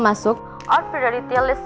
agak bodoh ya